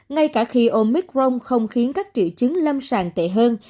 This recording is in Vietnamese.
ngay cả khi omicron không khiến các triệu chứng lâm sàng tệ hơn